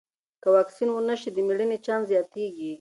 که واکسین ونه شي، د مړینې چانس زیاتېږي.